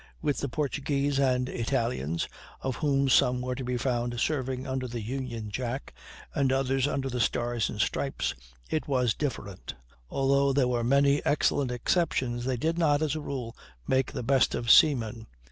With the Portuguese and Italians, of whom some were to be found serving under the union jack, and others under the stars and stripes, it was different; although there were many excellent exceptions they did not, as a rule, make the best of seamen.